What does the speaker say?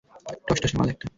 টসটসে মাল একটা!